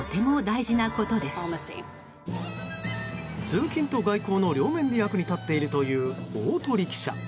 通勤と外交の両面で役に立っているというオートリキシャ。